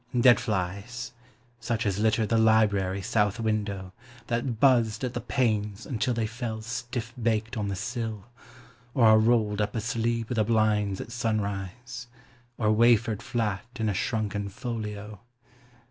Dead flies such as litter the library south window, That buzzed at the panes until they fell stiff baked on the sill, Or are roll'd up asleep i' the blinds at sunrise, Or wafer'd flat in a shrunken folio.